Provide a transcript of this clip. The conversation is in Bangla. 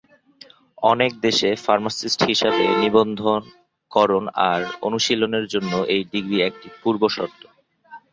অনেক দেশে ফার্মাসিস্ট হিসাবে নিবন্ধকরণ আর অনুশীলনের জন্য এই ডিগ্রি একটি পূর্বশর্ত।